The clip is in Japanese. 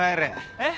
えっ？